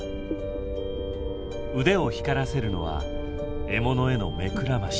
腕を光らせるのは獲物への目くらまし。